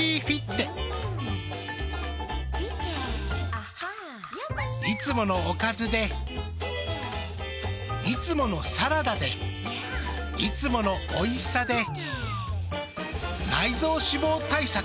ああっいつものおかずでいつものサラダでいつものおいしさで内臓脂肪対策。